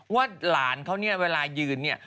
ว่าหลานเขาเนี่ยเวลายืนเนี่ย